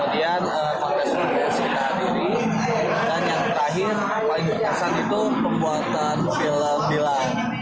dan yang terakhir paling berkesan itu pembuatan film dilan